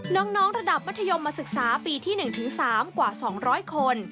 น้องระดับมัธยมมาศึกษาปีที่๑๓กว่า๒๐๐คน